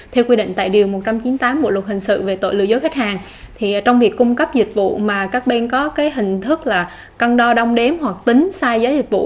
theo quy định tại điều một trăm chín mươi tám bộ luật hình sự về tội lừa dối khách hàng thì trong việc cung cấp dịch vụ mà các bên có hình thức là cân đo đong đếm hoặc tính sai giới dịch vụ